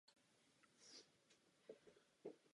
Po jedné náboženské obci je zde zastoupen islám a judaismus.